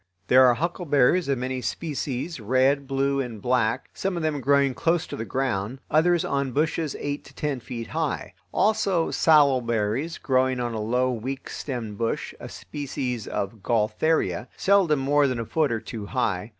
There are huckleberries of many species, red, blue, and black, some of them growing close to the ground, others on bushes eight to ten feet high; also salal berries, growing on a low, weak stemmed bush, a species of gaultheria, seldom more than a foot or two high.